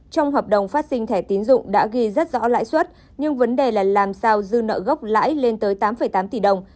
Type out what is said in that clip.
trong hợp đồng phát sinh thẻ tiến dụng đã ghi rất rõ lãi suất nhưng vấn đề là làm sao dư nợ gốc lãi lên tới tám tám tỷ đồng